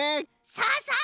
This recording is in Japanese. さあさあ